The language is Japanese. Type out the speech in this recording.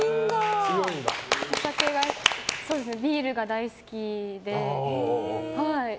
お酒は、ビールが大好きで。